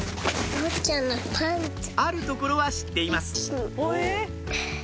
ある所は知っています